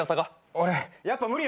俺やっぱ無理やわ。